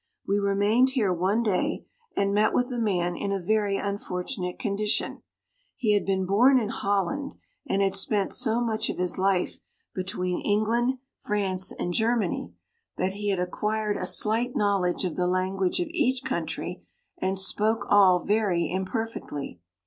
We remained here one day, and met with a man in a very unfortunate condition: he had been born in Holland, and had spent so much of his life between England, France, and Germany, that he had ac 78 quired a slight knowledge of the lan guage of each country, and spoke all very imperfectly.